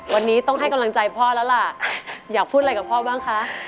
วันนี้ต้องให้กำลังใจพ่อแล้วล่ะอยากพูดอะไรกับพ่อบ้างคะ